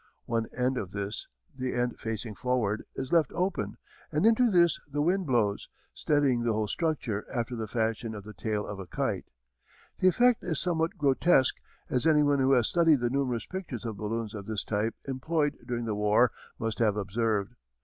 One end of this, the end facing forward, is left open and into this the wind blows, steadying the whole structure after the fashion of the tail of a kite. The effect is somewhat grotesque as anyone who has studied the numerous pictures of balloons of this type employed during the war must have observed.